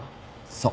そう。